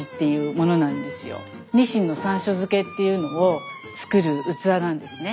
鰊の山椒漬けっていうのを作る器なんですね。